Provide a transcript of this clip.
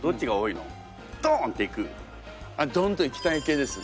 ドーンといきたい系です。